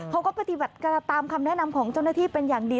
เขาก็ปฏิบัติตามคำแนะนำของเจ้าหน้าที่เป็นอย่างดี